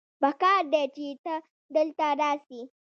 پکار دی چې ته دلته راسې